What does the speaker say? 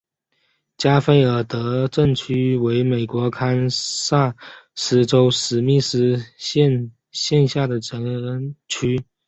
加菲尔德镇区为美国堪萨斯州史密斯县辖下的镇区。